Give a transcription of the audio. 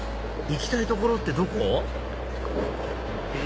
行きたい所ってどこ？